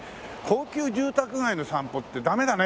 高級住宅街の散歩ってダメだね。